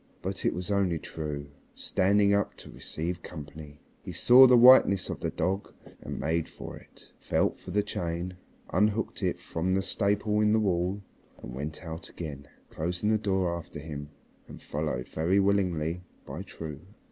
But it was only True, standing up to receive company. He saw the whiteness of the dog and made for it, felt for the chain, unhooked it from the staple in the wall, and went out again, closing the door after him, and followed very willingly by True.